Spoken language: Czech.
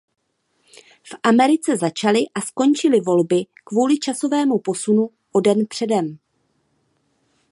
V Americe začaly a skončily volby kvůli časovému posunu o den předem.